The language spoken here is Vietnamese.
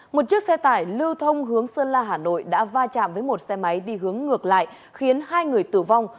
một chiếc xe tải lưu thông hướng sơn la hà nội đã va chạm với một xe máy đi hướng ngược lại khiến hai người tử vong